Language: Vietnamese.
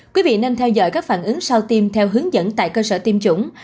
quý vị nên theo dõi các phản ứng sau tiêm theo hướng dẫn tại cơ sở tiêm chủng